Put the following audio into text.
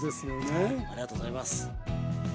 ありがとうございます。